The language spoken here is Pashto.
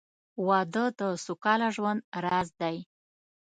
• واده د سوکاله ژوند راز دی.